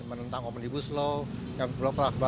menentang komunibus law